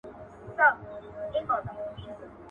هغې د خپلو ماشومانو راتلونکی د خپلې قربانۍ په زور روښانه کړ.